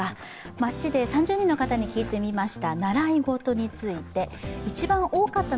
街で３０人の人に聞いてみました。